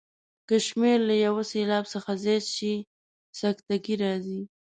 که شمېر له یو سېلاب څخه زیات شي سکته ګي راځي.